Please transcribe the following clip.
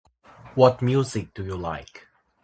What music do you like?